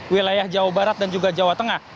wilayah jawa barat dan juga jawa tengah